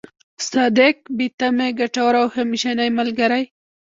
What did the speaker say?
صادق، بې تمې، ګټور او همېشنۍ ملګری.